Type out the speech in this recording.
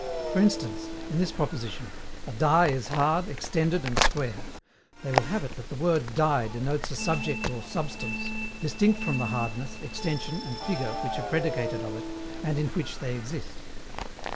For instance, in this proposition "a die is hard, extended, and square," they will have it that the word die denotes a subject or substance, distinct from the hardness, extension, and figure which are predicated of it, and in which they exist.